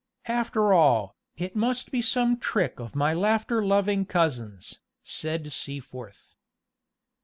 "After all, it must be some trick of my laughter loving cousins," said Seaforth.